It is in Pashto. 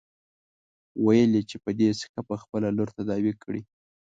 ويل يې چې په دې سيکه به خپله لور تداوي کړي.